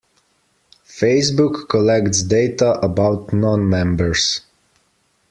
Facebook collects data about non-members.